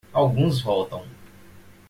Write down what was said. Alguns voltam.